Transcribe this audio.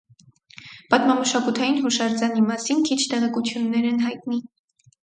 Պատմամշակութային հուշարձանի մասին քիչ տեղեկություններ են հայտնի։